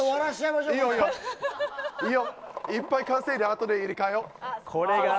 いっぱい稼いであとで入れ替えよう。